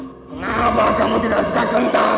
kenapa kamu tidak suka kentang